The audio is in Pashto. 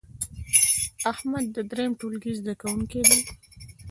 احمد د دریم ټولګې زده کوونکی دی.